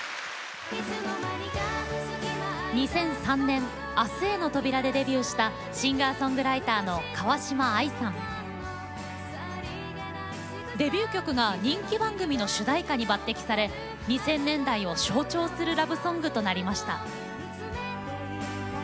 ２００３年「明日への扉」でデビューしたデビュー曲が人気番組の主題歌に抜てきされ２０００年代を象徴するラブソングとなりました。